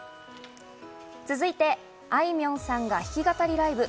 続いて、あいみょんさんが弾き語りライブ。